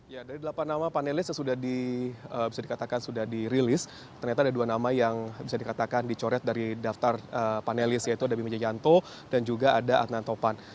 ya dari delapan nama panelis yang sudah bisa dikatakan sudah dirilis ternyata ada dua nama yang bisa dikatakan dicoret dari daftar panelis yaitu ada bimbi jajanto dan juga ada adnan topan